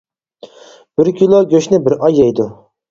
بىر كىلو گۆشنى بىر ئاي يەيدۇ.